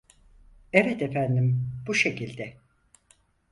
Evet efendim bu şekilde